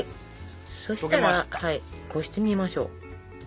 そしたらこしてみましょう。